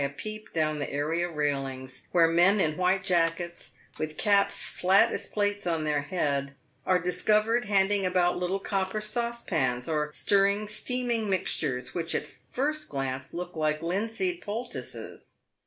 a peep down the area railings, where men in white jackets, with caps flat as plates on their head, are discovered handing about little copper saucepans, or stirring steaming mixtures, which at the first glance look like linseed poultices.